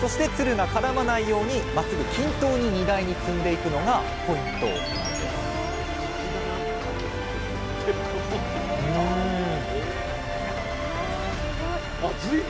そしてつるが絡まないようにまっすぐ均等に荷台に積んでいくのがポイントなんですわすごい。あっついてる